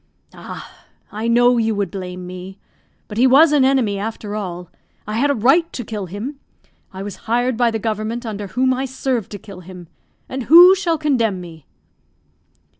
"Ah! I knew you would blame me; but he was an enemy after all; I had a right to kill him; I was hired by the government under whom I served to kill him; and who shall condemn me?"